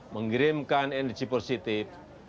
mengirimkan energi positif